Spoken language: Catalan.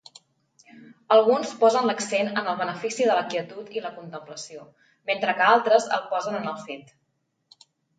Alguns posen l'accent en els beneficis de la quietud i la contemplació, mentre que altres el posen en el fet d'escoltar.